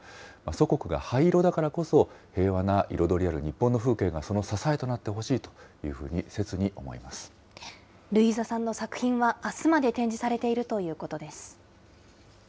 祖国が灰色だからこそ、平和な彩りある日本の風景がその支えとなってほしいとせつに思いルイーザさんの作品はあすまで展示されているということです。